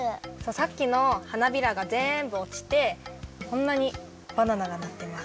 さっきの花びらがぜんぶおちてこんなにバナナがなってます。